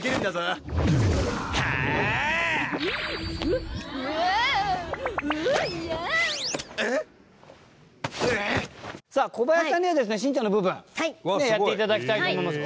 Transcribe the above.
んぐっえぇい！さあ小林さんにはですねしんちゃんの部分やって頂きたいと思います。